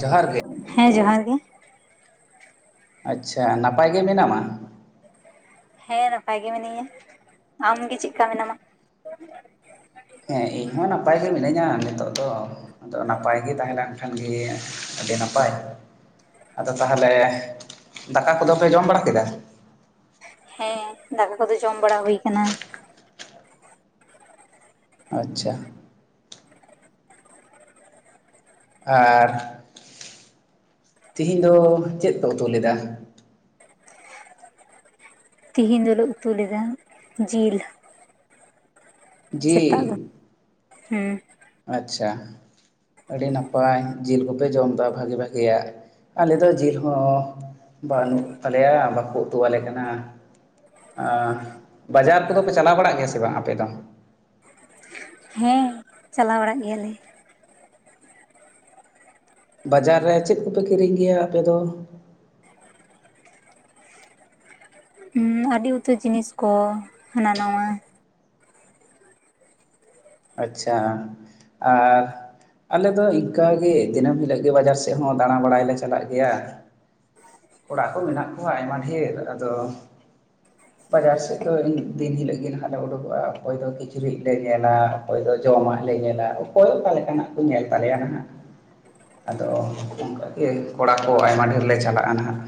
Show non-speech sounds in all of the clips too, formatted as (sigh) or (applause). ᱡᱚᱦᱟᱨ ᱜᱮ ᱦᱮᱸ ᱡᱚᱦᱟᱨ ᱜᱮ ᱟᱪᱪᱷᱟ ᱱᱟᱯᱟᱭ ᱜᱮ ᱢᱮᱱᱟᱢᱟ ᱦᱮᱸ ᱱᱟᱯᱟᱭ ᱜᱮ ᱢᱤᱱᱟᱹᱧᱟ ᱾ᱟᱢᱜᱮ ᱪᱮᱫ ᱠᱟ ᱢᱮᱱᱟᱢᱟ? ᱦᱮᱸ ᱤᱧ ᱦᱚᱸ ᱱᱟᱯᱟᱭ ᱜᱮ ᱢᱤᱱᱟᱹᱧᱟ ᱱᱤᱛᱚᱜ ᱫᱚ᱾ ᱟᱫᱚ ᱱᱟᱯᱟᱭ ᱜᱮ ᱛᱟᱦᱮᱸ ᱞᱮᱱᱠᱷᱟᱱ ᱜᱮ ᱟᱹᱰᱤ ᱱᱟᱯᱟᱭ᱾ ᱟᱫᱚ ᱛᱟᱦᱚᱞᱮ ᱫᱟᱠᱟ ᱠᱚᱫᱚ ᱯᱮ ᱡᱚᱢ ᱵᱟᱲᱟ ᱠᱮᱫᱟ? ᱦᱮᱸ, ᱫᱟᱠᱟ ᱠᱚᱫᱚ ᱡᱚᱢ ᱵᱟᱲᱟ ᱦᱩᱭ ᱠᱟᱱᱟ᱾ ᱟᱪᱪᱷᱟ᱾ ᱟᱨ ᱛᱤᱦᱤᱧ ᱫᱚ ᱪᱮᱫ ᱯᱮ ᱩᱛᱩ ᱞᱮᱫᱟ? ᱛᱤᱦᱤᱧ ᱫᱚᱞᱮ ᱩᱛᱩ ᱞᱮᱫᱟ ᱡᱤᱞ᱾ ᱡᱤᱞ ᱥᱮᱛᱟᱜ ᱫᱚ, ᱦᱩᱸ ᱟᱪᱪᱷᱟ᱾ ᱟᱹᱰᱤ ᱱᱟᱯᱟᱭ ᱡᱮᱞ ᱠᱚᱯᱮ ᱡᱚᱢᱫᱟ ᱵᱷᱟᱜᱮ ᱵᱷᱟᱜᱮᱭᱟᱜ ᱾ ᱟᱞᱮ ᱫᱚ ᱡᱮᱞ ᱦᱚᱸ ᱵᱟᱹᱱᱩᱜ ᱛᱟᱞᱮᱭᱟ ᱵᱟᱠᱚ ᱩᱛᱩ ᱟᱞᱮ ᱠᱟᱱᱟ᱾ ᱟᱸᱜ, ᱵᱟᱡᱟᱨ ᱠᱚᱫᱚ ᱯᱮ ᱪᱟᱞᱟᱣ ᱵᱟᱲᱟᱜ ᱜᱮᱭᱟ ᱥᱮ ᱵᱟᱝ ᱟᱯᱮ ᱫᱚ᱾ ᱦᱮᱸ, ᱪᱟᱞᱟᱣ ᱵᱟᱲᱟᱜ ᱜᱮᱭᱟᱞᱮ᱾ ᱵᱟᱡᱟᱨ ᱨᱮ, ᱪᱮᱫ ᱠᱚᱯᱮ ᱠᱤᱨᱤᱧ ᱜᱮᱭᱟ ᱟᱯᱮ ᱫᱚ? ᱦᱩᱸ, ᱟᱹᱰᱤ ᱩᱛᱟᱹᱨ ᱡᱤᱱᱤᱥ ᱠᱚ ᱦᱟᱱᱟ ᱱᱟᱣᱟ᱾ ᱟᱪᱪᱷᱟ, ᱟᱨ ᱟᱞᱮ ᱫᱚ ᱤᱱᱠᱟ ᱜᱮ, ᱫᱤᱱᱟᱹᱢ ᱦᱤᱞᱳᱜ ᱜᱮ ᱵᱟᱡᱟᱨ ᱥᱮᱫ ᱦᱚᱸ ᱫᱟᱬᱟ ᱵᱟᱲᱟᱭᱞᱮ ᱪᱟᱞᱟᱜ ᱜᱮᱭᱟ᱾ ᱚᱲᱟᱜ (unintelligible) ᱠᱚ ᱢᱮᱱᱟᱜ ᱠᱚᱣᱟ ᱟᱭᱢᱟ ᱰᱷᱮᱨ ᱟᱫᱚ ᱵᱟᱡᱟᱨ ᱥᱮᱫ ᱫᱚ ᱫᱤᱱ ᱦᱤᱞᱳᱜ ᱜᱮ ᱱᱟᱦᱟᱜ ᱞᱮ ᱩᱰᱩᱠᱚᱜᱼᱟ᱾ ᱚᱠᱚᱭ ᱫᱚ ᱠᱤᱪᱨᱤᱡ ᱞᱮ ᱧᱮᱞᱟ᱾ ᱚᱠᱚᱭ ᱫᱚ ᱡᱚᱢᱟᱜ ᱞᱮ ᱧᱮᱞᱟ᱾ ᱚᱠᱚᱭ ᱚᱠᱟ ᱞᱮᱠᱟᱱᱟᱜ ᱠᱚ ᱧᱮᱞ ᱛᱟᱞᱮᱭᱟ ᱱᱟᱦᱟᱸᱜ᱾ ᱟᱫᱚ ᱚᱱᱠᱟ ᱜᱮ ᱠᱚᱲᱟ ᱠᱚ ᱟᱭᱢᱟ ᱰᱷᱮᱨ ᱞᱮ ᱪᱟᱞᱟᱜᱼᱟ ᱱᱟᱦᱟᱸᱜ᱾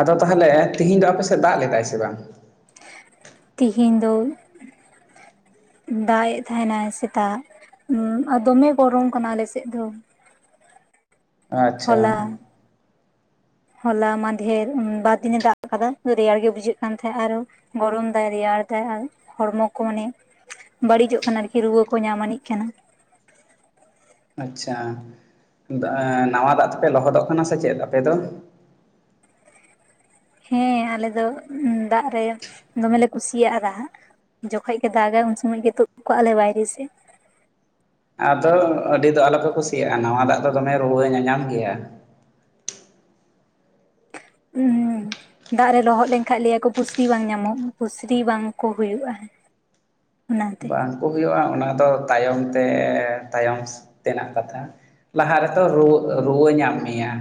ᱟᱫᱚ ᱛᱟᱦᱚᱞᱮ, ᱛᱤᱦᱤᱧ ᱫᱚ ᱟᱯᱮ ᱥᱮᱫ ᱫᱟᱜ ᱞᱮᱫᱟᱭ ᱥᱮ ᱵᱟᱝ? ᱛᱤᱦᱤᱧ ᱫᱳ ᱫᱟᱜ ᱮᱜ ᱛᱟᱦᱮᱱᱟᱭ ᱥᱮᱛᱟᱜ ᱾ ᱩᱸ ᱟᱨ ᱫᱚᱢᱮ ᱜᱚᱨᱚᱢ ᱠᱟᱱᱟ ᱟᱞᱮ ᱥᱮᱫ ᱫᱚ᱾ ᱟᱪᱪᱷᱟ᱾ ᱦᱚᱞᱟ ᱦᱚᱞᱟ ᱢᱟᱫᱷᱮᱨ, ᱵᱟᱨ ᱫᱤᱱᱮ ᱫᱟᱜ ᱠᱟᱫᱟ᱾ ᱨᱮᱭᱟᱲ ᱜᱮ ᱵᱩᱡᱷᱟᱹᱜ ᱠᱟᱱ ᱛᱟᱦᱮᱸᱫ ᱟᱨᱚ᱾ ᱜᱚᱨᱚᱢ ᱫᱟᱭ, ᱨᱮᱭᱟᱲ ᱫᱟᱭ ᱟᱨ ᱦᱚᱲᱢᱚ ᱠᱚ ᱚᱱᱮ ᱵᱟᱹᱲᱤᱡᱚᱜ ᱠᱟᱱᱟ ᱟᱨᱠᱤ᱾ ᱨᱩᱣᱟᱹ ᱠᱚ ᱧᱟᱢ ᱟᱱᱤᱡ ᱠᱟᱱᱟ᱾ ᱟᱪᱪᱷᱟ, ᱮᱸ ᱱᱟᱣᱟ ᱫᱟᱜ ᱛᱮᱯᱮ ᱞᱚᱦᱚᱫᱚᱜ ᱠᱟᱱᱟ ᱥᱮ ᱪᱮᱫ ᱟᱯᱮ ᱫᱚ? ᱦᱮᱸ, ᱟᱞᱮ ᱫᱚ ᱫᱟᱜ ᱨᱮ ᱫᱚᱢᱮᱞᱮ ᱠᱩᱥᱤᱭᱟᱜᱼᱟ ᱫᱟᱜ᱾ ᱡᱚᱠᱷᱚᱡ ᱜᱮ ᱫᱟᱜᱼᱟᱭ ᱩᱱ ᱥᱚᱢᱚᱭ ᱜᱮ ᱛᱳᱫ ᱠᱚ-ᱟ ᱞᱮ ᱵᱟᱭᱨᱮ ᱥᱮᱫ᱾ ᱟᱫᱚ ᱟᱹᱰᱤ ᱫᱚ ᱟᱞᱚᱯᱮ ᱠᱩᱥᱤᱭᱟᱜᱼᱟ᱾ ᱱᱟᱣᱟ ᱫᱟᱜ ᱫᱚ ᱫᱚᱢᱮ ᱨᱩᱣᱟᱹ ᱧᱟᱧᱟᱢ ᱜᱮᱭᱟ᱾ ᱦᱩᱸ (unintelligible) ᱫᱟᱜ ᱨᱮ ᱞᱚᱦᱚᱫ ᱞᱮᱱᱠᱷᱟᱱ ᱞᱟᱹᱭ ᱟᱠᱚ ᱯᱩᱥᱨᱤ ᱵᱟᱝ ᱧᱟᱢᱚᱜᱼᱟ᱾ ᱯᱩᱥᱨᱤ ᱵᱟᱝ ᱠᱚ ᱦᱩᱭᱩᱜᱼᱟ᱾ ᱚᱱᱟᱛᱮ ᱵᱟᱝ ᱠᱚ ᱦᱩᱭᱩᱜᱼᱟ ᱾ᱚᱱᱟ ᱫᱚ ᱛᱟᱭᱚᱢ ᱛᱮ ᱛᱟᱭᱚᱢ ᱛᱮᱱᱟᱜ ᱠᱟᱛᱷᱟ᱾ ᱞᱟᱦᱟ ᱨᱮᱛᱚ ᱨᱩᱣᱟᱹ, ᱨᱩᱣᱟᱹ ᱧᱟᱢ ᱢᱮᱭᱟ᱾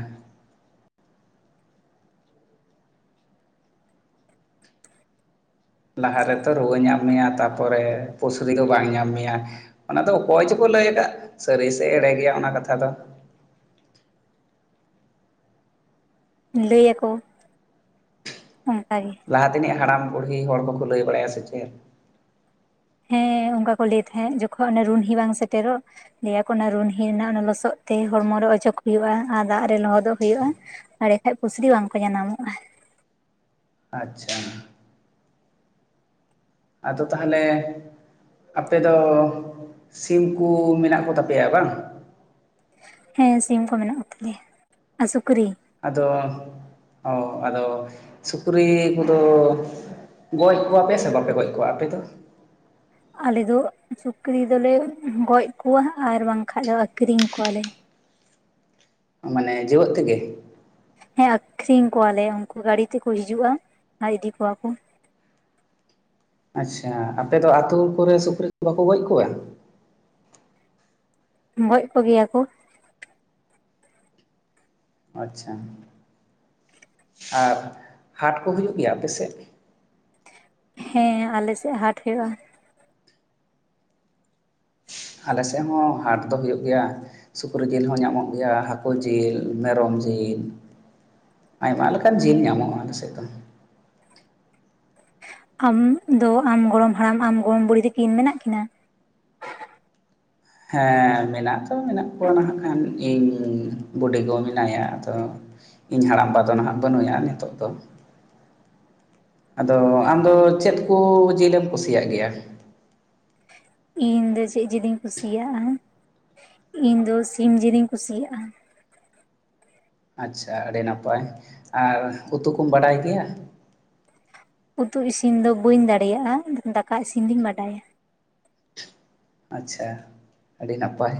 ᱞᱟᱦᱟ ᱨᱮᱛᱚ ᱨᱩᱣᱟᱹ ᱧᱟᱢ ᱢᱮᱭᱟ᱾ ᱛᱟᱯᱚᱨᱮ ᱯᱩᱥᱨᱤ ᱫᱚ ᱵᱟᱝ ᱧᱟᱢ ᱢᱮᱭᱟ᱾ ᱚᱱᱟ ᱫᱚ ᱚᱠᱚᱭ ᱪᱚᱠᱚ ᱞᱟᱹᱭ ᱟᱠᱟᱫ᱾ ᱥᱟᱹᱨᱤ ᱥᱮ ᱮᱲᱮ ᱜᱮᱭᱟ ᱚᱱᱟ ᱠᱟᱛᱷᱟ ᱫᱚ᱾ ᱞᱟᱹᱭ ᱟᱠᱚ ᱚᱱᱠᱟ ᱜᱮ᱾ ᱞᱟᱦᱟ ᱛᱮᱱᱤᱡ ᱦᱟᱲᱟᱢ ᱵᱩᱲᱦᱤ ᱦᱚᱲ ᱠᱚᱠᱚ ᱞᱟᱹᱭ ᱵᱟᱲᱟᱭᱼᱟ ᱥᱮ ᱪᱮᱫ᱾ ᱦᱮᱸ, ᱚᱱᱠᱟ ᱠᱚ ᱞᱮᱭ ᱛᱟᱦᱮᱸᱫ ᱾ ᱡᱚᱠᱷᱚᱱ ᱚᱱᱮ ᱨᱩᱱᱦᱤ ᱵᱟᱝ ᱥᱮᱴᱮᱨᱚᱜ ᱞᱮᱭᱟᱠᱚ ᱚᱱᱟ ᱨᱩᱱᱦᱤ ᱨᱮᱱᱟᱜ ᱚᱱᱟ ᱞᱟᱹᱭ ᱟᱠᱚ ᱚᱱᱮ ᱨᱩᱱᱦᱤ ᱨᱮᱱᱟᱜ ᱞᱚᱥᱚᱫ ᱛᱮ ᱦᱚᱲᱢᱚ ᱨᱮ ᱚᱡᱚᱜ ᱦᱩᱭᱩᱜᱼᱟ᱾ ᱟᱨ ᱫᱟᱜ ᱨᱮ ᱞᱚᱦᱚᱫᱚᱜ ᱦᱩᱭᱩᱜᱼᱟ᱾ ᱮᱲᱮ ᱠᱷᱟᱡ ᱯᱩᱥᱨᱤ ᱵᱟᱝ ᱠᱚ ᱡᱟᱱᱟᱢᱚᱜᱼᱟ᱾ ᱟᱪᱪᱷᱟ ᱟᱫᱚ ᱛᱟᱦᱚᱞᱮ ᱟᱯᱮ ᱫᱚ ᱥᱤᱢ ᱠᱩ ᱢᱮᱱᱟᱜ ᱠᱚᱛᱟᱯᱮᱭᱟ ᱵᱟᱝ? ᱦᱮᱸ ᱥᱤᱢ ᱠᱚ ᱢᱮᱱᱟᱜ ᱠᱚ ᱛᱟᱞᱮᱭᱟ ᱟᱨ ᱥᱩᱠᱨᱤ, ᱟᱫᱚ ᱚ ᱟᱫᱚ ᱥᱩᱠᱨᱤ ᱠᱚᱫᱚ ᱜᱚᱡ ᱠᱚᱣᱟ‌ ᱯᱮ ᱥᱮ ᱵᱟᱯᱮ ᱜᱚᱡ ᱠᱚᱣᱟ ᱟᱯᱮ ᱫᱚ? ᱟᱞᱮ ᱫᱚ ᱥᱩᱠᱨᱤ ᱫᱚᱞᱮ ᱜᱚᱡ ᱠᱚᱣᱟ ᱦᱟᱜ ᱟᱨ ᱵᱟᱝᱠᱷᱟᱡ ᱫᱚ ᱟᱠᱷᱨᱤᱧ ᱠᱚᱣᱟᱞᱮ ᱢᱟᱱᱮ ᱡᱮᱣᱮᱫ ᱛᱮᱜᱮ ᱦᱮᱸ ᱟᱠᱷᱨᱤᱧ ᱠᱚᱣᱟᱞᱮ ᱩᱱᱠᱩ ᱜᱟᱲᱤ ᱛᱮᱠᱚ ᱦᱤᱡᱩᱜ-ᱟ ᱟᱨ ᱤᱫᱤ ᱠᱚᱣᱟ ᱠᱚ ᱟᱪᱪᱷᱟ ᱟᱯᱮ ᱫᱚ ᱟᱛᱳ ᱠᱚᱨᱮ ᱥᱩᱠᱨᱤ ᱠᱚ ᱵᱟᱠᱚ ᱜᱚᱡ ᱠᱚᱣᱟ? ᱜᱚᱡ ᱠᱚᱜᱮᱭᱟ ᱠᱚ᱾ ᱟᱪᱪᱷᱟ ᱟᱨ ᱦᱟᱴ ᱠᱚ ᱦᱩᱭᱩᱜ ᱜᱮᱭᱟ ᱟᱯᱮ ᱥᱮᱫ? ᱦᱮᱸ ᱟᱞᱮᱥᱮᱫ ᱦᱟᱴ ᱦᱳᱭᱳᱜ-ᱟ᱾ ᱟᱞᱮ ᱥᱮᱫ ᱦᱚᱸ ᱦᱟᱴ ᱫᱚ ᱦᱳᱭᱳᱜ ᱜᱮᱭᱟ᱾ ᱥᱩᱠᱨᱤ ᱡᱤᱞ ᱦᱚᱸ ᱧᱟᱢᱚᱜ ᱜᱮᱭᱟ, ᱦᱟᱠᱳ ᱡᱤᱞ, ᱢᱮᱨᱚᱢ ᱡᱤᱞ, ᱟᱭᱢᱟ ᱞᱮᱠᱟᱱ ᱡᱤᱞ ᱧᱟᱢᱚᱜ-ᱟ ᱟᱞᱮ ᱥᱮᱫ ᱫᱚ᱾ ᱟᱢ ᱫᱚ ᱟᱢ ᱜᱚᱲᱚᱢ ᱦᱟᱲᱟᱢ ᱟᱢ ᱜᱚᱲᱚᱢ ᱵᱩᱲᱦᱤ ᱛᱟᱠᱤᱱ ᱢᱮᱱᱟᱜ ᱠᱤᱱᱟ? ᱦᱮᱸ ᱢᱮᱱᱟᱜ ᱛᱚ ᱢᱮᱱᱟᱜ ᱠᱚᱣᱟ ᱱᱟᱦᱟᱜ ᱠᱷᱟᱱ ᱤᱧ ᱵᱩᱰᱤᱜᱚ ᱢᱮᱱᱟᱭᱟ ᱟᱫᱚ ᱤᱧ ᱦᱟᱲᱟᱢᱵᱟ ᱫᱚ ᱱᱟᱦᱟᱜ ᱵᱟᱹᱱᱩᱭᱟ ᱱᱤᱛᱚᱜ ᱫᱚ ᱟᱫᱚ ᱟᱢᱫᱚ ᱪᱮᱫ ᱠᱚ ᱡᱤᱞᱮᱢ ᱠᱩᱥᱤᱭᱟᱜ ᱜᱮᱭᱟ? ᱤᱧ ᱫᱚ ᱪᱮᱫ ᱡᱤᱞᱤᱧ ᱠᱩᱥᱤᱭᱟᱜ-ᱟ ᱤᱧ ᱫᱚ ᱥᱤᱢ ᱡᱤᱞᱤᱧ ᱠᱩᱥᱤᱭᱟᱜ-ᱟ᱾ ᱟᱪᱪᱷᱟ ᱟᱹᱰᱤ ᱱᱟᱯᱟᱭ ᱟᱨ ᱩᱛᱩ ᱠᱚᱢ ᱵᱟᱰᱟᱭ ᱜᱮᱭᱟ? ᱩᱛᱩ ᱤᱥᱤᱱ ᱫᱚ ᱵᱟᱹᱧ ᱫᱟᱲᱮᱭᱟᱜ-ᱟ ᱫᱟᱠᱟ ᱤᱥᱤᱱ ᱫᱚᱩᱧ ᱵᱟᱰᱟᱭᱟ᱾ ᱟᱪᱪᱷᱟ ᱟᱹᱰᱤ ᱱᱟᱯᱟᱭ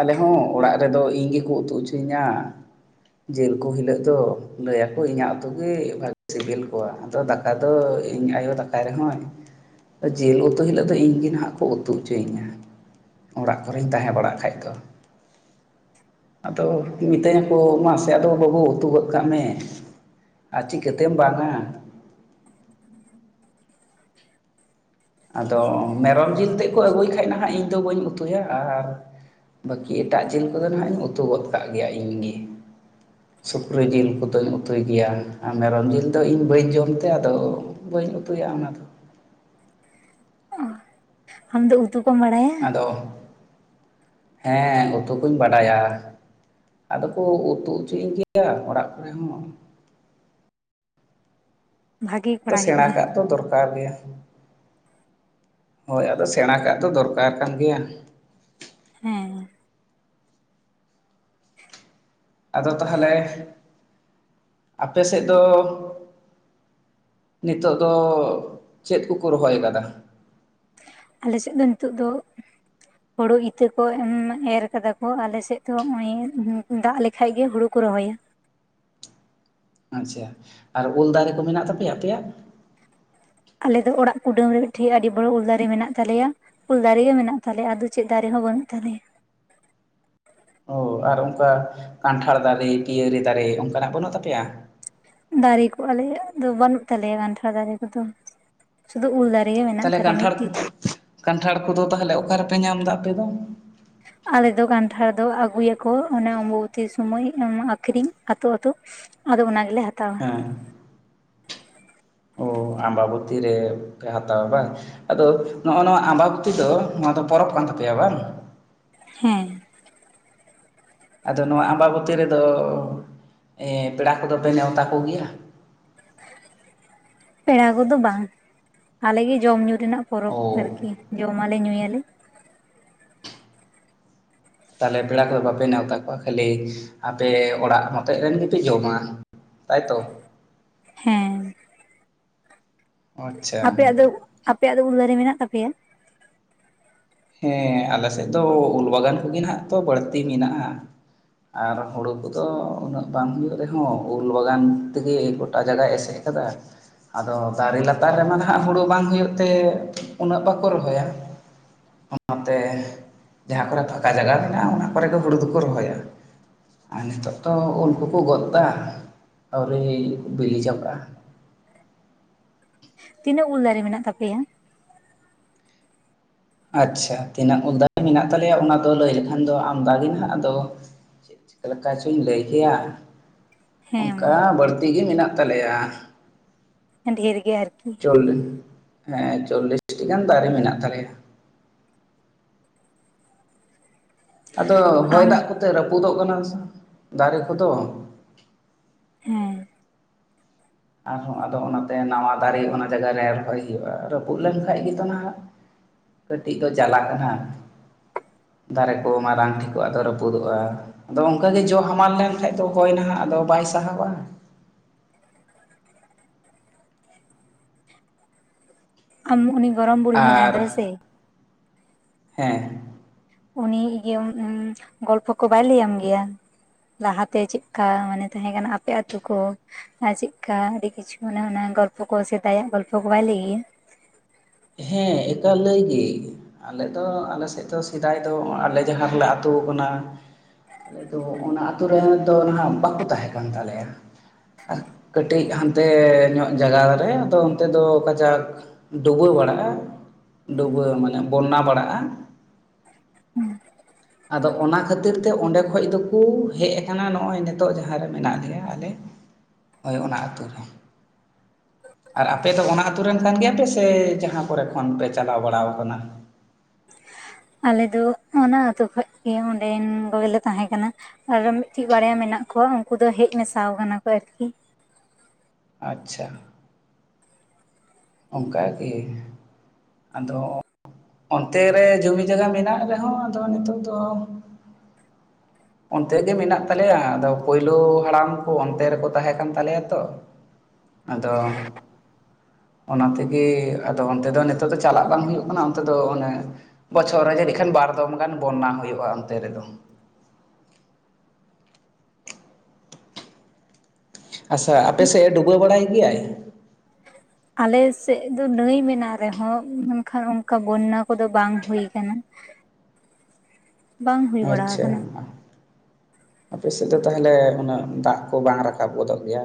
ᱟᱞᱮ ᱦᱚᱸ ᱚᱲᱟᱜ ᱨᱮᱫᱚ ᱤᱧ ᱜᱮᱠᱚ ᱩᱛᱩ ᱦᱚᱪᱚᱧᱟ ᱡᱤᱞ ᱠᱚ ᱦᱤᱞᱳᱜ ᱫᱚ ᱞᱟᱹᱭ ᱟᱠᱚ ᱤᱧᱟᱹᱜ ᱩᱛᱩ ᱜᱮ ᱵᱷᱟᱜᱮ ᱥᱤᱵᱤᱞ ᱠᱚᱣᱟ᱾ ᱛᱚ ᱫᱟᱠᱟ ᱫᱚ ᱤᱧ ᱟᱭᱳ ᱫᱟᱠᱟᱭ ᱨᱮᱦᱚᱸ ᱡᱤᱞ ᱩᱛᱩ ᱦᱤᱞᱳᱜ ᱫᱚ ᱤᱧ ᱜᱮ ᱱᱟᱦᱟᱜ ᱠᱚ ᱩᱛᱩ ᱦᱚᱪᱚᱭᱤᱧᱟ ᱚᱲᱟᱜ ᱠᱚᱨᱮᱧ ᱛᱟᱦᱮᱸ ᱵᱟᱲᱟᱜ ᱠᱷᱟᱡ ᱮ (unintelligible) ᱟᱫᱚ ᱢᱤᱛᱟᱹᱧᱟᱠᱚ ᱢᱟᱥᱮ ᱟᱫᱚ ᱵᱟᱹᱵᱩ ᱩᱛᱩ ᱜᱚᱫ ᱠᱟᱜ ᱢᱮ ᱟᱨ ᱪᱤᱠᱟᱹᱛᱮᱢ ᱵᱟᱝ ᱟ (unintelligible) ᱟᱫᱚ ᱢᱮᱨᱚᱢ ᱡᱤᱞ ᱛᱮᱫ ᱠᱚ ᱟᱹᱜᱩᱭ ᱠᱷᱟᱡ ᱱᱟᱦᱟᱜ ᱤᱧᱫᱚ ᱵᱟᱹᱧ ᱩᱛᱩᱭᱟ ᱟᱨ ᱵᱟᱹᱠᱤ ᱮᱴᱟᱜ ᱡᱤᱞ ᱠᱚᱫᱚ ᱱᱟᱦᱟᱜ ᱤᱧ ᱩᱛᱩ ᱜᱚᱫ ᱠᱟᱜ ᱜᱮᱭᱟ ᱤᱧᱜᱮ ᱥᱩᱠᱨᱤ ᱡᱤᱞ ᱠᱚᱫᱚᱧ ᱩᱛᱩᱭ ᱜᱮᱭᱟ ᱟᱨ ᱢᱮᱨᱚᱢ ᱡᱤᱞ ᱫᱚ ᱤᱧ ᱵᱟᱹᱧ ᱡᱚᱢᱛᱮ ᱟᱫᱚ ᱵᱟᱹᱧ ᱩᱛᱩᱭᱟ ᱚᱱᱟᱫᱚ ᱚ ᱟᱢ ᱫᱚ ᱩᱛᱩ ᱠᱚᱢ ᱵᱟᱲᱟᱭ ᱟᱫᱚ ᱦᱮᱸ ᱩᱛᱩ ᱠᱩᱧ ᱵᱟᱰᱟᱭᱟ᱾ ᱟᱫᱚ ᱠᱚ ᱩᱛᱩ ᱦᱚᱪᱚᱧ ᱜᱮᱭᱟ ᱚᱲᱟᱜ ᱠᱚᱨᱮ ᱦᱚᱸ ᱵᱷᱟᱜᱮ ᱫᱚ ᱠᱚᱲᱟ ᱥᱮᱬᱟ ᱜᱤᱫᱽᱨᱟᱹ ᱠᱟᱜ ᱫᱚ ᱫᱚᱨᱠᱟᱨ ᱜᱮ᱾ ᱦᱳᱭ ᱟᱫᱚ ᱥᱮᱬᱟ ᱠᱟᱜ ᱫᱚ ᱫᱚᱨᱠᱟᱨ ᱠᱟᱱ ᱜᱮᱭᱟ᱾ ᱦᱮᱸ ᱟᱫᱚ ᱛᱟᱦᱚᱞᱮ ᱟᱯᱮ ᱥᱮᱫ ᱫᱚ ᱱᱤᱛᱚᱜ ᱫᱚ ᱪᱮᱫ ᱠᱚᱠᱚ ᱨᱚᱦᱚᱭ ᱠᱟᱫᱟ? ᱟᱞᱮ ᱥᱮᱫ ᱫᱚ ᱱᱤᱛᱚᱜ ᱫᱚ ᱦᱳᱲᱳ ᱤᱛᱟᱹ ᱠᱚ ᱮᱨ ᱠᱟᱫᱟ ᱠᱚ ᱟᱞᱮᱥᱮᱫ ᱫᱚ ᱱᱚᱜ ᱚᱭ ᱫᱟᱜ ᱞᱮᱠᱷᱟᱡ ᱜᱮ ᱦᱩᱲᱩ, ᱠᱚ ᱨᱚᱦᱚᱭᱟ᱾ ᱟᱪᱪᱷᱟ ᱟᱨ ᱩᱞ ᱫᱟᱨᱮ ᱠᱚ ᱢᱮᱱᱟᱜ ᱛᱟᱯᱮᱭᱟ ᱟᱯᱮᱭᱟᱜ, ᱟᱞᱮ ᱫᱚ ᱚᱲᱟᱜ ᱠᱩᱰᱟᱹᱢ ᱨᱮ ᱢᱤᱫᱴᱮᱱ ᱟᱹᱰᱤ ᱵᱚᱲᱚ ᱩᱞ ᱫᱟᱨᱮ ᱢᱮᱱᱟᱜ ᱛᱟᱞᱮᱭᱟ ᱩᱞ ᱫᱟᱨᱮ ᱜᱮ ᱢᱮᱱᱟᱜ ᱛᱟᱞᱮᱭᱟ ᱟᱫᱚ ᱪᱮᱫ ᱫᱟᱨᱮ ᱦᱚᱸ ᱵᱟᱹᱱᱩᱜ ᱛᱟᱞᱮᱭᱟ, ᱚ ᱟᱨ ᱚᱱᱠᱟ ᱠᱟᱱᱴᱷᱟᱲ ᱫᱟᱨᱮ ᱯᱤᱭᱟᱹᱨᱤ ᱫᱟᱨᱮ ᱚᱱᱠᱟᱱᱟᱜ ᱵᱟᱹᱱᱩᱜ ᱛᱟᱯᱮᱭᱟ, ᱫᱟᱨᱮ ᱠᱚ ᱟᱞᱮᱭᱟᱜ ᱫᱚ ᱵᱟᱹᱱᱩᱜ ᱛᱟᱞᱮᱭᱟ ᱜᱟᱱᱴᱷᱟᱲ ᱫᱟᱨᱮ ᱠᱚᱫᱚ, ᱥᱩᱫᱩ ᱩᱞ ᱫᱟᱨ ᱨᱮ ᱜᱮ ᱢᱮᱱᱟᱜ, ᱛᱟᱦᱚᱞᱮ ᱛᱟᱞᱮᱭᱟ ᱠᱟᱱᱴᱷᱟᱲ ᱢᱤᱫᱴᱤᱡ ᱠᱟᱱᱴᱷᱟᱲ ᱠᱚᱫᱚ ᱛᱟᱦᱚᱞᱮ ᱚᱠᱟ ᱨᱮᱯᱮ ᱧᱟᱢᱫᱟ ᱟᱯᱮ ᱫᱚ, ᱟᱞᱮ ᱫᱚ ᱠᱟᱱᱴᱷᱟᱲ ᱫᱚ ᱟᱹᱜᱩᱭᱟᱠᱚ ᱚᱱᱮ ᱚᱢᱵᱚᱵᱩᱛᱤ ᱥᱳᱢᱚᱭ ᱟᱠᱷᱨᱤᱧ ᱟᱹᱛᱩ ᱟᱹᱛᱩ, ᱟᱫᱚ ᱚᱱᱟᱜᱮᱞᱮ ᱦᱟᱛᱟᱣᱟ, ᱦᱮᱸ ᱚ ᱟᱢᱵᱟᱵᱚᱛᱤ ᱨᱮ ᱦᱟᱛᱟᱣᱟ ᱵᱟᱝ, ᱟᱫᱚ ᱱᱚᱜᱼᱚ ᱱᱚᱣᱟ ᱟᱸᱵᱟ ᱵᱚᱛᱤ ᱫᱚ ᱱᱚᱣᱟ ᱫᱚ ᱯᱚᱨᱚᱵᱽ ᱠᱟᱱ ᱛᱟᱯᱮᱭᱟ ᱵᱟᱝ, ᱦᱮᱸ ᱟᱫᱚ ᱱᱚᱣᱟ ᱟᱢᱵᱟᱵᱛᱤ ᱨᱮᱫᱚ ᱯᱮᱲᱟ ᱠᱚᱫᱚ ᱯᱮ ᱱᱮᱣᱛᱟ ᱠᱚ ᱜᱮᱭᱟ, ᱯᱮᱲᱟ ᱠᱚᱫᱚ ᱵᱟᱝ ᱟᱞᱮᱜᱮ ᱡᱚᱢ ᱧᱩ ᱨᱮᱱᱟᱜ ᱯᱚᱨᱚᱵᱽ ᱚ ᱟᱨᱠᱤ ᱡᱚᱢᱟᱞᱮ ᱧᱩᱭᱟᱞᱮ, ᱛᱟᱦᱞᱮ ᱯᱮᱲᱟ ᱠᱚᱫᱚ ᱵᱟᱯᱮ ᱱᱮᱶᱛᱟ ᱠᱚᱣᱟ ᱠᱷᱟᱹᱞᱤ ᱟᱯᱮ ᱚᱲᱟᱜ ᱢᱚᱛᱚᱡ ᱨᱮᱱ ᱜᱮᱯᱮ ᱡᱚᱢᱟ, ᱛᱟᱭ ᱛᱚ ᱦᱮᱸ ᱟᱪᱪᱷᱟ ᱟᱯᱮᱭᱟᱜ ᱫᱚ ᱟᱯᱮᱭᱟᱜ ᱫᱚ ᱩᱞ ᱫᱟᱨᱮ ᱢᱮᱱᱟᱜ ᱛᱟᱯᱮᱭᱟ, ᱦᱮᱸ ᱟᱞᱮ ᱥᱮᱫ ᱫᱚ ᱩᱞ ᱵᱟᱜᱟᱱ ᱠᱚᱜᱮ ᱱᱟᱜ ᱛᱚ ᱵᱟᱹᱲᱛᱤ ᱢᱮᱱᱟᱜᱼᱟ, ᱟᱨ ᱦᱳᱲᱳ ᱠᱚᱫᱚ ᱩᱱᱟᱹᱜ ᱵᱟᱝ ᱦᱩᱭᱩᱜ ᱨᱮᱦᱚᱸ ᱩᱞ ᱵᱟᱜᱟᱱ ᱛᱮᱜᱮ ᱜᱚᱴᱟ ᱡᱟᱜᱟᱭ ᱮᱥᱮᱫ, ᱠᱟᱫᱟ, ᱟᱫᱚ ᱫᱟᱨᱮ ᱞᱟᱛᱟᱨ ᱨᱮᱢᱟ ᱱᱟᱦᱟᱜ ᱦᱩᱲᱩ ᱵᱟᱝ ᱦᱩᱭᱩᱜ ᱛᱮ ᱩᱱᱟᱹᱜ ᱵᱟᱠᱚ ᱨᱚᱦᱚᱭᱟ, ᱚᱱᱟᱛᱮ ᱡᱟᱦᱟᱸ ᱠᱚᱨᱮ ᱯᱷᱟᱠᱟ ᱡᱟᱭᱟ ᱢᱮᱱᱟᱜᱼᱟ ᱚᱱᱟ ᱠᱚᱨᱮ ᱜᱮ ᱦᱩᱲᱩ ᱫᱚᱠᱚ ᱨᱚᱦᱚᱭᱟ, ᱟᱨ ᱱᱤᱛᱚᱜ ᱛᱚ ᱩᱞ ᱠᱚᱠᱚ ᱜᱚᱫ ᱮᱫᱟ ᱟᱹᱣᱨᱤ ᱵᱤᱞᱤ ᱡᱟᱵᱟᱜᱼᱟ, ᱛᱤᱱᱟᱹᱜ ᱩᱞ ᱫᱟᱨᱮ ᱢᱮᱱᱟᱜ ᱛᱟᱯᱮᱭᱟ? ᱟᱪᱪᱷᱟ ᱛᱤᱱᱟᱹᱜ ᱩᱞ ᱫᱟᱨᱮ ᱢᱮᱱᱟᱜ ᱛᱟᱞᱮᱭᱟ ᱚᱱᱟ ᱫᱚ ᱞᱟᱹᱭ ᱞᱮᱠᱷᱟᱱ ᱫᱚ ᱟᱢᱫᱟ ᱜᱮ ᱢᱮᱱᱟᱜ ᱟᱫᱚ-, ᱪᱮᱫ ᱞᱮᱠᱟ ᱪᱚᱧ ᱞᱟᱹᱭ ᱠᱮᱭᱟ ᱦᱮᱸ ᱢᱟ ᱚᱱᱠᱟ ᱵᱟᱹᱲᱛᱤ ᱜᱮ ᱢᱮᱱᱟᱜ ᱛᱟᱞᱮᱭᱟ᱾ ᱰᱷᱮᱨ ᱜᱮ ᱟᱨᱠᱤ, ᱪᱚᱞᱞᱥ ᱦᱮᱸ ᱪᱚᱞᱞᱤᱥᱴᱤ ᱜᱟᱱ ᱫᱟᱨᱮ ᱢᱮᱱᱟᱜ ᱛᱟᱞᱮᱭᱟ᱾ ᱟᱫᱚ ᱦᱚᱭ ᱟᱢ ᱫᱟᱜ ᱠᱚᱛᱮ ᱨᱟᱹᱯᱩᱫᱚᱜ ᱠᱟᱱᱟ ᱥᱮ ᱫᱟᱨᱮ ᱠᱚᱫᱚ᱾ ᱦᱮᱸ ᱟᱨᱦᱚᱸ ᱟᱫᱚ ᱚᱱᱟᱛᱮ ᱱᱟᱣᱟ ᱫᱟᱨᱮ ᱚᱱᱟ ᱡᱟᱭᱜᱟ ᱨᱮ ᱨᱚᱦᱚᱭ ᱦᱩᱭᱩᱜᱼᱟ ᱨᱟᱹᱯᱩᱫ ᱞᱮᱱᱠᱷᱟᱡ ᱜᱮᱛᱚ ᱱᱟᱦᱟᱜ- ᱠᱟᱹᱴᱤᱡ ᱠᱚ ᱪᱟᱞᱟᱜ ᱠᱟᱱᱟ ᱫᱟᱨᱮ ᱠᱚ ᱢᱟᱨᱟᱝ ᱴᱷᱤᱠᱚᱜ ᱟᱫᱚ ᱨᱟᱹᱯᱩᱫᱚᱜᱼᱟ ᱟᱫᱚ ᱚᱱᱠᱟᱜᱮ ᱡᱚ ᱦᱟᱢᱟᱞ ᱞᱮᱱᱠᱟᱱ ᱫᱚ ᱦᱚᱭ ᱱᱟᱦᱟᱜ ᱟᱫᱚ ᱵᱟᱭ ᱥᱟᱦᱟᱵᱟᱼᱟ, ᱟᱢ ᱩᱱᱤ ᱜᱚᱲᱚᱢ ᱵᱩᱲᱦᱤ ᱢᱮᱱᱟᱭ ᱟᱨ ᱫᱚ ᱦᱮᱸᱥᱮ- ᱦᱮᱸ ᱩᱱᱤ ᱤᱭᱟᱹ ᱜᱚᱞᱯᱚ ᱠᱚ ᱵᱟᱭ ᱞᱟᱹᱭᱟᱢ ᱜᱮᱭᱟ᱾ ᱞᱟᱦᱟᱛᱮ ᱪᱮᱫᱠᱟ ᱢᱟᱱᱮ ᱛᱟᱦᱮᱸ ᱠᱟᱱᱟ ᱟᱯᱮ ᱟᱛᱳ ᱠᱚ᱾ ᱟᱨ ᱪᱮᱫ ᱞᱮᱠᱟ ᱟᱹᱰᱤ ᱠᱤᱪᱷᱩ ᱜᱚᱞᱯᱚ ᱠᱚ ᱥᱮᱫᱟᱭᱟᱜ ᱜᱚᱞᱯᱚ ᱠᱚ ᱵᱟᱭ ᱞᱟᱹᱭ ᱜᱮᱭᱟ᱾ ᱦᱮᱸ ᱮᱠᱟ ᱞᱟᱹᱭ ᱜᱮ᱾ ᱟᱞᱮ ᱫᱚ ᱟᱞᱮ ᱥᱮᱫ ᱫᱚ ᱥᱮᱫᱟᱭ ᱫᱚ ᱟᱞᱮ ᱡᱟᱦᱟᱸ ᱨᱮᱞᱮ ᱟᱹᱛᱳ ᱠᱟᱱᱟ- ᱟᱞᱮ ᱫᱚ ᱚᱱᱟ ᱟᱹᱛᱩ ᱨᱮ ᱫᱚ ᱱᱟᱦᱟᱜ ᱵᱟᱠᱚ ᱛᱟᱦᱮᱸ ᱠᱟᱱ ᱛᱟᱞᱮᱭᱟ᱾ ᱠᱟᱹᱴᱤᱡ ᱦᱟᱱᱛᱮ ᱧᱚᱜ ᱡᱟᱭᱜᱟ ᱨᱮ ᱫᱚ ᱚᱱᱛᱮ ᱫᱚ ᱠᱟᱡᱟᱠ ᱰᱩᱵᱟᱹ ᱵᱟᱲᱟᱜ-ᱟ, ᱰᱩᱵᱟᱹ ᱢᱟᱱᱮ ᱵᱚᱱᱱᱟ ᱵᱟᱲᱟᱜ-ᱟ᱾ ᱟᱫᱚ ᱚᱱᱟ ᱠᱷᱟᱹᱛᱤᱨ ᱛᱮ ᱚᱸᱰᱮ ᱠᱷᱚᱱ ᱫᱚᱠᱚ ᱦᱮᱡ ᱠᱟᱱᱟ ᱱᱚᱜ-ᱚᱭ ᱱᱤᱛᱚᱜ ᱡᱟᱦᱟᱸ ᱨᱮ ᱢᱮᱱᱟᱜ ᱞᱮᱭᱟ ᱟᱞᱮ᱾ ᱦᱳᱭ ᱚᱱᱟ ᱟᱛᱩ ᱨᱮ᱾ ᱟᱨ ᱟᱯᱮ ᱫᱚ ᱚᱱᱟ ᱟᱛᱩ ᱨᱮᱱ ᱠᱟᱱ ᱜᱮᱭᱟᱯᱮ ᱥᱮ ᱡᱟᱦᱟᱸ ᱠᱚᱨᱮ ᱠᱷᱚᱱ ᱯᱮ ᱪᱟᱞᱟᱣ ᱵᱟᱲᱟ ᱠᱟᱱᱟ‌? ᱟᱞᱮ ᱫᱚ ᱚᱱᱟ ᱟᱹᱛᱩ ᱠᱷᱚᱱ ᱜᱮ ᱚᱸᱰᱮᱱ ᱠᱚᱜᱮᱞᱮ ᱛᱟᱦᱮᱸ ᱠᱟᱱᱟ᱾ ᱟᱨᱚ ᱢᱤᱫᱴᱮᱱ ᱵᱟᱨᱭᱟ ᱢᱮᱱᱟᱜ ᱠᱚᱣᱟ ᱩᱱᱠᱩ ᱫᱚ ᱦᱮᱡ ᱢᱮᱥᱟ ᱠᱟᱱᱟ ᱠᱚ ᱟᱨᱠᱤ᱾ ᱟᱪᱪᱷᱟ᱾ ᱚᱱᱠᱟᱜᱮ ᱟᱫᱚ ᱚᱱᱛᱮ ᱨᱮ ᱡᱚᱢᱤ ᱡᱟᱭᱜᱟ ᱢᱮᱱᱟᱜ ᱨᱮᱦᱚᱸ ᱟᱫᱚ ᱱᱤᱛᱳᱜ ᱫᱚ ᱚᱱᱛᱮ ᱜᱮ ᱢᱮᱱᱟᱜ ᱛᱟᱞᱮᱭᱟ ᱟᱫᱚ ᱯᱳᱭᱞᱳ ᱦᱟᱲᱟᱢ ᱠᱚ ᱚᱱᱛᱮ ᱨᱮᱠᱚ ᱛᱟᱦᱮᱸ ᱠᱟᱱ ᱛᱟᱞᱮᱭᱟ ᱛᱚ᱾ ᱟᱫᱚ ᱚᱱᱟ ᱛᱮᱜᱮ ᱟᱫᱚ ᱚᱱᱛᱮ ᱫᱚ ᱱᱤᱛᱚᱜ ᱫᱚ ᱪᱟᱞᱟᱜ ᱵᱟᱝ ᱦᱩᱭᱩᱜ ᱠᱟᱱᱟ ᱚᱱᱛᱮ ᱫᱚ ᱚᱱᱮ ᱵᱚᱪᱷᱚᱨ ᱨᱮ ᱡᱟᱹᱱᱤᱡ ᱠᱷᱟᱱ ᱵᱟᱨ ᱫᱚᱢ ᱜᱟᱱ ᱵᱚᱱᱱᱟ ᱦᱩᱭᱩᱜ-ᱟ ᱚᱱᱛᱮ ᱨᱮᱫᱚ᱾ ᱟᱪᱪᱷᱟ ᱟᱯᱮ ᱥᱮᱫ ᱮ ᱰᱩᱵᱟᱹ ᱵᱟᱲᱟᱭ ᱜᱮᱭᱟᱭ? (inaudible) ᱟᱞᱮ ᱥᱮᱫ ᱫᱚ ᱱᱟᱹᱭ ᱢᱮᱱᱟᱜ ᱨᱮᱦᱚᱸ ᱢᱮᱱᱠᱷᱟᱱ ᱚᱱᱠᱟ ᱵᱚᱱᱱᱟ ᱠᱚᱫᱚ ᱵᱟᱝ ᱦᱩᱭ ᱠᱟᱱᱟ᱾ (unintelligible) ᱵᱟᱝ ᱦᱩᱭ ᱵᱟᱲᱟ ᱟᱪᱪᱷᱟ ᱠᱟᱱᱟ᱾ ᱟᱯᱮ ᱥᱮᱫ ᱫᱚ ᱛᱟᱦᱚᱞᱮ ᱩᱱᱟᱹᱜ ᱫᱟᱜ ᱠᱚ ᱵᱟᱝ ᱨᱟᱠᱟᱵ ᱜᱚᱫᱚᱜ ᱜᱮᱭᱟ?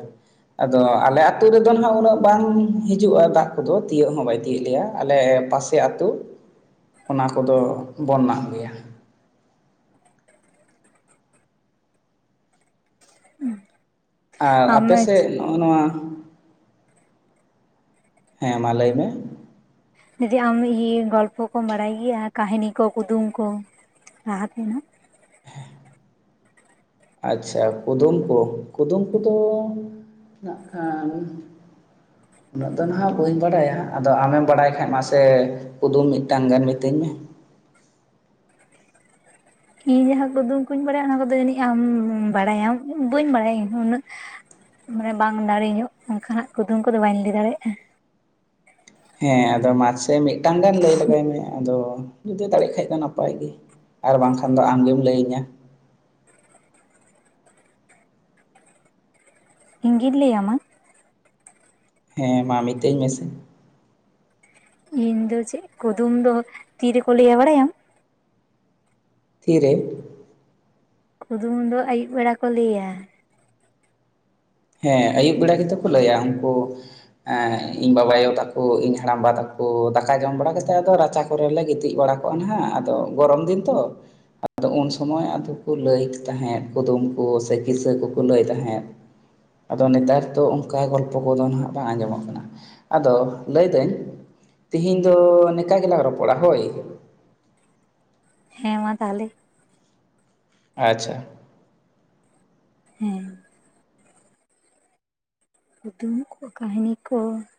ᱟᱫᱚ ᱟᱞᱮ ᱟᱹᱛᱩ ᱨᱮᱫᱚ ᱦᱟᱜ ᱩᱱᱟᱹᱜ ᱵᱟᱝ ᱦᱤᱡᱩᱜ-ᱟ ᱫᱟᱜ ᱠᱚᱫᱚ ᱛᱤᱭᱳᱟᱹᱜ ᱦᱚᱸ ᱵᱟᱭ ᱛᱤᱭᱳᱜ ᱞᱮᱭᱟ ᱟᱞᱮ ᱯᱟᱥᱮ (inaudible) ᱟᱛᱳ ᱚᱱᱟ ᱠᱚᱫᱚ ᱵᱚᱱᱱᱟᱜ ᱜᱮᱭᱟ᱾ ᱟᱨ ᱟᱢ ᱟᱯᱮ ᱥᱮᱫ ᱱᱚᱜ-ᱚᱭ ᱱᱚᱣᱟ ᱦᱮᱸ ᱢᱟ ᱞᱟᱹᱭ ᱢᱮ᱾ ᱡᱩᱫᱤ ᱟᱢ ᱤᱭᱟᱹ ᱜᱚᱞᱯᱚ ᱠᱚᱢ ᱵᱟᱲᱟᱭ ᱜᱮᱭᱟ ᱠᱟᱦᱤᱱᱤ ᱠᱚ ᱠᱩᱫᱩᱢ ᱠᱚ? ᱞᱟᱦᱟ ᱛᱮᱱᱟ᱾ ᱟᱪᱪᱷᱟ ᱠᱩᱫᱩᱢ ᱠᱚ ᱠᱩᱫᱩᱢ ᱠᱚᱫᱚ ᱱᱟᱜ ᱠᱷᱟᱱ (unintelligible) ᱩᱱᱟᱹᱜ ᱫᱚ ᱱᱟᱦᱟᱜ ᱵᱟᱹᱧ ᱵᱟᱲᱟᱭᱟ ᱟᱫᱚ ᱟᱢᱮᱢ ᱵᱟᱲᱟᱭ ᱠᱷᱟᱡ ᱢᱟᱥᱮ ᱠᱩᱫᱩᱢ ᱢᱤᱫᱴᱟᱝ ᱜᱟᱱ ᱢᱤᱛᱟᱹᱧ ᱢᱮ? ᱤᱧ ᱡᱟᱦᱟᱸ ᱠᱩᱫᱩᱢ ᱠᱚᱧ ᱵᱟᱲᱟᱭᱟ ᱚᱱᱟ ᱠᱚᱫᱚ ᱡᱟᱹᱱᱤᱡ ᱟᱢ ᱵᱟᱲᱟᱭᱟᱢ ᱵᱟᱹᱧ ᱵᱟᱲᱟᱭᱟ ᱤᱧ ᱦᱚᱸ ᱩᱱᱟᱹᱜ ᱢᱟᱱᱮ ᱵᱟᱝ ᱫᱟᱲᱮ ᱧᱚᱜ ᱚᱱᱠᱟᱱᱟᱜ ᱠᱩᱫᱩᱢ ᱠᱚᱫᱚ ᱵᱟᱹᱧ ᱞᱟᱹᱭ ᱫᱟᱲᱮᱭᱟᱜ-ᱟ᱾ ᱦᱮᱸ ᱟᱫᱚ ᱢᱟᱥᱮ ᱢᱤᱫᱴᱟᱝ ᱜᱟᱱ ᱞᱟᱹᱭ ᱞᱮᱟᱜᱟᱭ ᱢᱮ ᱟᱫᱚ? ᱡᱩᱫᱤ ᱫᱟᱲᱮᱜ ᱠᱷᱟᱡ ᱫᱚ ᱱᱟᱯᱟᱭ ᱜᱮ ᱟᱨ ᱵᱟᱝᱠᱷᱟᱱ ᱫᱚ ᱟᱢᱜᱮᱢ ᱞᱟᱹᱭᱟᱹᱧᱟ ᱤᱧᱜᱤᱧ ᱞᱟᱹᱭ ᱟᱢᱟ? ᱦᱮᱸ ᱢᱟ ᱢᱤᱛᱟᱹᱧ ᱢᱮᱥᱮ ᱤᱧ ᱫᱚ ᱪᱮᱫ ᱠᱩᱫᱩᱢ ᱫᱚ ᱛᱤᱨᱮᱠᱚ ᱞᱟᱹᱭ ᱟ ᱵᱟᱲᱟᱭᱟᱢ? ᱛᱤᱨᱮ? ᱠᱩᱫᱩᱢᱩ ᱫᱚ ᱟᱹᱭᱩᱵ ᱵᱮᱲᱟ ᱠᱚ ᱞᱟᱹᱭ ᱟ ᱦᱮᱸ ᱟᱹᱭᱩᱵ ᱵᱮᱲᱟ ᱜᱮᱛᱚ ᱠᱚ ᱞᱟᱹᱭᱟ ᱩᱱᱠᱩ ᱤᱧ ᱵᱟᱵᱟ ᱟᱭᱳ ᱛᱟᱠᱚ ᱤᱧ ᱦᱟᱲᱟᱢᱵᱟ ᱛᱟᱠᱚ ᱫᱟᱠᱟ ᱡᱚᱢ ᱵᱟᱲᱟ ᱠᱟᱛᱮᱫ ᱟᱫᱚ ᱨᱟᱪᱟ ᱠᱚᱨᱞᱮ ᱜᱤᱛᱤᱡ ᱵᱟᱲᱟ ᱠᱚᱜ-ᱟ ᱱᱟᱦᱟᱜ ᱟᱫᱚ ᱜᱚᱨᱚᱢ ᱫᱤᱱ ᱛᱚ, ᱟᱫᱚ ᱩᱱ ᱥᱚᱢᱚᱭ ᱟᱫᱚ ᱠᱚ ᱞᱟᱹᱭ ᱛᱟᱦᱮᱸᱫ ᱠᱩᱫᱩᱢ ᱠᱚ ᱥᱮ ᱠᱤᱥᱟᱹ ᱠᱚᱠᱚ ᱞᱟᱹᱭ ᱛᱟᱦᱮᱸᱫ ᱟᱫᱚ ᱱᱮᱛᱟᱨ ᱫᱚ ᱚᱱᱠᱟ ᱜᱚᱞᱯᱚ ᱠᱚᱫᱚ ᱦᱟᱸᱜ ᱵᱟᱝ ᱟᱸᱡᱚᱢᱚᱜ ᱠᱟᱱᱟ ᱟᱫᱚ ᱞᱟᱹᱭᱫᱟᱹᱧ ᱛᱤᱦᱤᱧ ᱫᱚ ᱱᱤᱠᱟ ᱜᱮᱞᱟᱝ ᱨᱚᱯᱚᱲᱟ ᱦᱳᱭ ᱦᱮᱸ ᱢᱟ ᱛᱟᱦᱚᱞᱮ ᱟᱪᱪᱷᱟ᱾ ᱦᱮᱸ᱾ ᱠᱩᱫᱩᱢ ᱠᱚ, ᱠᱟᱹᱦᱱᱤ ᱠᱚ